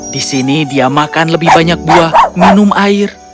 di sini dia makan lebih banyak buah minum air